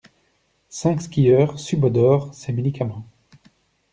Cinq skieurs subodorent ces médicaments.